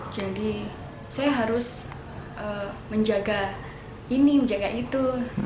jadi saya harus menjaga ini menjaga itu